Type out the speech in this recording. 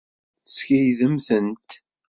Skeydem-tent.